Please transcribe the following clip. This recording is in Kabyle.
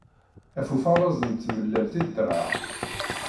Af ufaṛeẓ n tmellalt i ddreɣ.